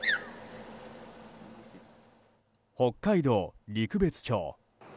北海道陸別町。